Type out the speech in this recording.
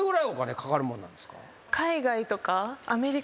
海外とか。